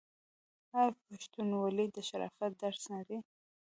آیا پښتونولي د شرافت درس نه دی؟